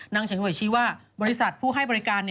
นางฉันก็บ่อยชี้ว่าบริษัทผู้ให้บริการ